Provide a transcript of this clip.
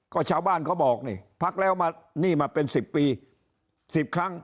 ก็ชาวบ้านเขาบอกนี่พักแล้วมานี่มาเป็น๑๐ปี๑๐ครั้ง